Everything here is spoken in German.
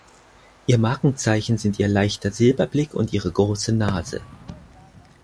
Ihr Markenzeichen sind ihr leichter Silberblick und ihre große Nase.